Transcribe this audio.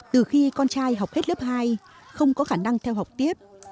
từ khi con trai học hết lớp hai không có khả năng theo học tiếp